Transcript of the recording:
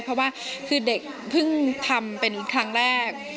เพราะว่าคือเด็กเพิ่งทำเป็นครั้งแรก